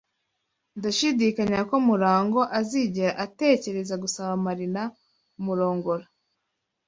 Ndashidikanya ko MuragwA azigera atekereza gusaba Marina kumurongora.